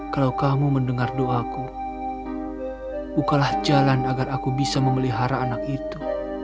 kalau kamu mendengar doaku bukalah jalan agar aku bisa memelihara anak itu